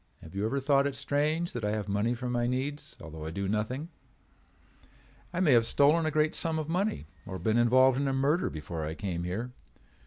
Have you ever thought it strange that I have money for my needs although I do nothing? I may have stolen a great sum of money or been involved in a murder before I came here.